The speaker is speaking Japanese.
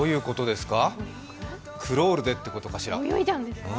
クロールでってことかしら？